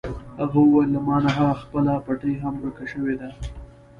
هغه وویل: له ما نه هغه خپله پټۍ هم ورکه شوې ده.